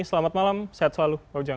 selamat malam sehat selalu pak ujang